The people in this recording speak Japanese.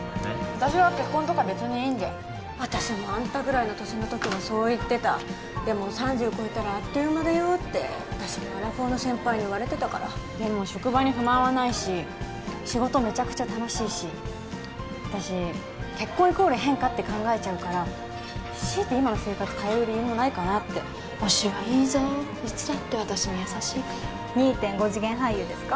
私は結婚とかべつにいいんで私もあんたぐらいの年の時はそう言ってたでも３０超えたらあっという間だよって私もアラフォーの先輩に言われてたからでも職場に不満はないし仕事メチャクチャ楽しいし私結婚イコール変化って考えちゃうからしいて今の生活変える理由もないかなって推しはいいぞいつだって私に優しいから２．５次元俳優ですか？